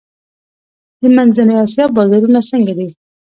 د منځنۍ اسیا بازارونه څنګه دي؟